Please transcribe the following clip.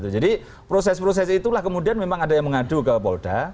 jadi proses proses itulah kemudian memang ada yang mengadu ke polda